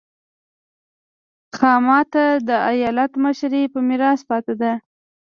خاما ته د ایالت مشري په میراث پاتې وه.